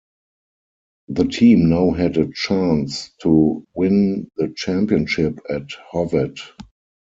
The team now had a chance to win the championship at Hovet.